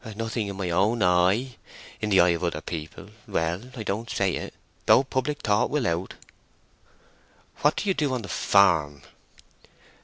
"Nothing in my own eye. In the eye of other people—well, I don't say it; though public thought will out." "What do you do on the farm?"